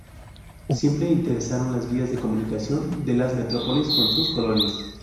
Siempre interesaron las vías de comunicación de las metrópolis con sus colonias.